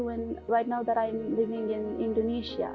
terutama saat saya hidup di indonesia